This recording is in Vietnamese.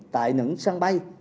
tại những sân bay